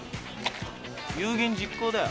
有言実行だよ。